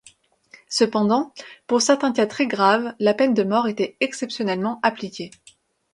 Cependant, pour certains cas très graves, la peine de mort était exceptionnellement appliquée.